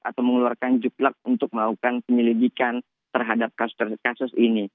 atau mengeluarkan juplak untuk melakukan penyelidikan terhadap kasus kasus ini